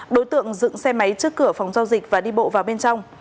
đối tượng dựng xe máy trước cửa phòng giao dịch và đi bộ vào bên trong